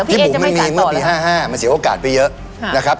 บุ๋มมันมีเมื่อปี๕๕มันเสียโอกาสไปเยอะนะครับ